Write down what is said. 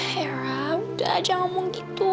hera udah aja ngomong gitu